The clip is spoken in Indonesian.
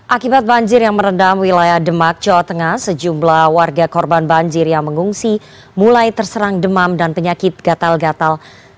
akibat banjir yang merendam wilayah demak jawa tengah sejumlah warga korban banjir yang mengungsi mulai terserang demam dan penyakit gatal gatal